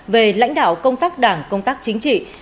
về lãnh đạo công tác đảng công tác chính trị